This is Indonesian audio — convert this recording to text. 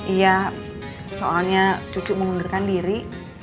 iya soalnya cucu mengundurkan diri